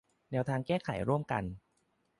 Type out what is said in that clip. แนวทางแก้ไขร่วมกัน